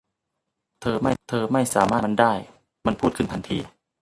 เธอไม่สามารถอธิบายมันได้ มันพูดขึ้นทันที